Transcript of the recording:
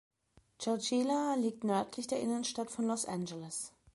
Chowchila liegt nördlich der Innenstadt von Los Angeles.